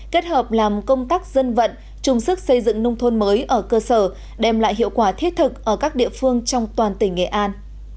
kết hợp làm công tác dân vận trung sức xây dựng nông thôn mới ở cơ sở đem lại hiệu quả thiết thực ở các địa phương trong toàn tỉnh nghệ an